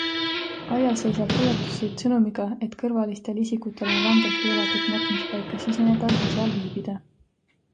Aial seisab hoiatussilt sõnumiga, et kõrvalistel isikutel on rangelt keelatud matmispaika siseneda ja seal viibida.